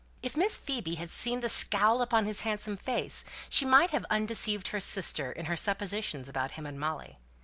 If Miss Phoebe had seen the scowl upon his handsome face, she might have undeceived her sister in her suppositions about him and Molly.